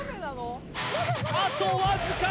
あとわずか！